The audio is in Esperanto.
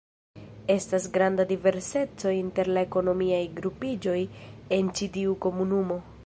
Estas granda diverseco inter la ekonomiaj grupiĝoj en ĉi tiu komunumo.